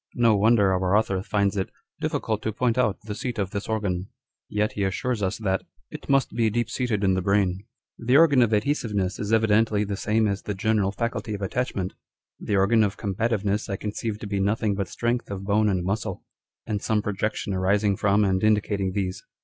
No wonder our author finds it " difficult to point out the seat of this organ ;" yet he assures us, that " it must be deep seated in the brain." 216 On Dr. Spurzheim's Theory. The organ of adhesiveness is evidently the same as the general faculty of attachment. The organ of combativeness I conceive to be nothing but strength of bone and muscle, and some projection arising from and indicating these.